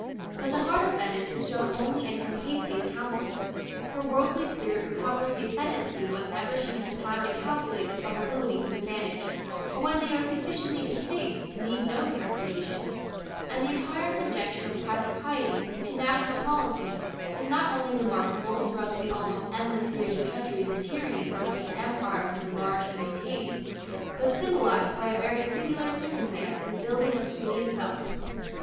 But the heart of Venice is shown only in her hastiest councils; her worldly spirit recovers the ascendency whenever she has time to calculate the probabilities of advantage, or when they are sufficiently distinct to need no calculation; and the entire subjection of private piety to national policy is not only remarkable throughout the almost endless series of treacheries and tyrannies by which her empire was enlarged and maintained, but symbolised by a very singular circumstance in the building of the city itself.